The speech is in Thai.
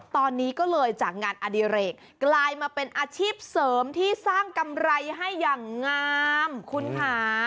ตอนนี้ก็เลยจากงานอดิเรกกลายมาเป็นอาชีพเสริมที่สร้างกำไรให้อย่างงามคุณค่ะ